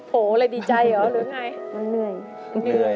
โหอะไรดีใจหรือไง